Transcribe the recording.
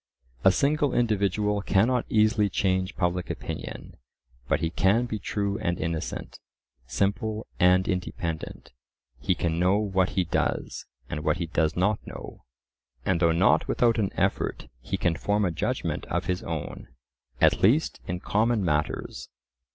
A single individual cannot easily change public opinion; but he can be true and innocent, simple and independent; he can know what he does, and what he does not know; and though not without an effort, he can form a judgment of his own, at least in common matters.